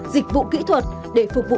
dịch vụ kỹ thuật để phục vụ